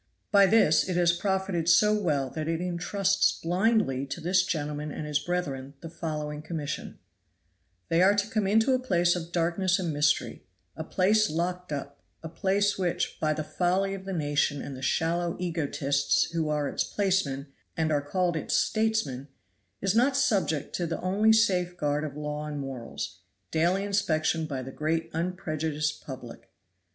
By these it has profited so well that it intrusts blindly to this gentleman and his brethren the following commission: They are to come into a place of darkness and mystery, a place locked up; a place which, by the folly of the nation and the shallow egotists who are its placemen and are called its statesmen, is not subject to the only safeguard of law and morals daily inspection by the great unprejudiced public.